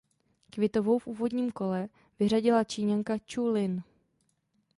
Kvitovou v úvodním kole vyřadila Číňanka Ču Lin.